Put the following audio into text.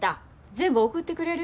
全部送ってくれる？